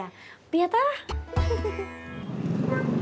kalau nanti aku nikah